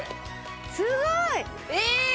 すごい！ええ！